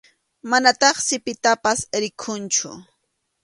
Manataqsi pitapas rikunchu.